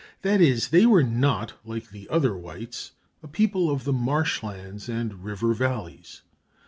That is, they were not, like the other whites, a people of the marsh lands and river valleys.